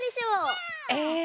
え？